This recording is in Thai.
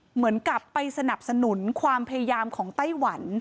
เหมือนกับไปสนับสนุนความพยายามของไต้หวัน